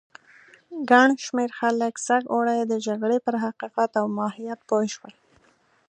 ګڼ شمېر خلک سږ اوړی د جګړې پر حقیقت او ماهیت پوه شول.